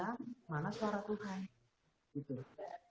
itu untuk memiliki suara tuhan